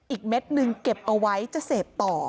เม็ดหนึ่งเก็บเอาไว้จะเสพต่อ